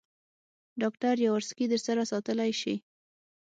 ډاکټر یاورسکي در سره ساتلای شې.